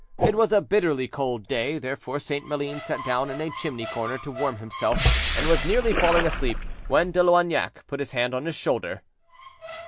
It was a bitterly cold day, therefore St. Maline sat down in a chimney corner to warm himself, and was nearly falling asleep, when De Loignac put his hand on his shoulder.